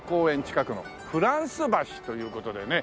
近くのフランス橋という事でね。